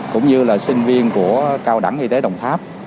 cũng như là sinh viên của cao đẳng y tế đồng tháp